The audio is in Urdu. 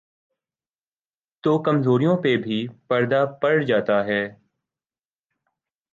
تو کمزوریوں پہ بھی پردہ پڑ جاتاہے۔